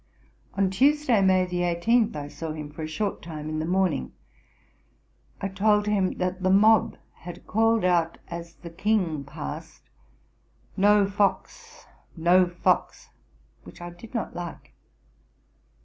On Tuesday, May 18, I saw him for a short time in the morning. I told him that the mob had called out, as the King passed, 'No Fox No Fox,' which I did not like.